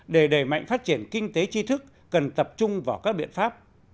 để đẩy mạnh phát triển kinh tế chi thức cần tập trung vào các biện pháp